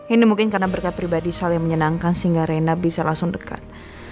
ini mungkin karena berkat pribadi sal yang menyenangkan sehingga rena bisa langsung dekat